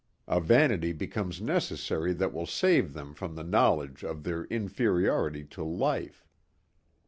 A vanity becomes necessary that will save them from the knowledge of their inferiority to life....